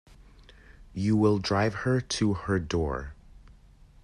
You will drive with her to her door.